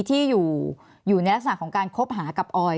ที่อยู่ในลักษณะของการคบหากับออย